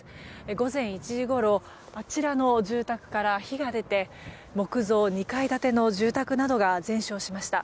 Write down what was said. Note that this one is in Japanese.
午前１時ごろあちらの住宅から火が出て木造２階建ての住宅などが全焼しました。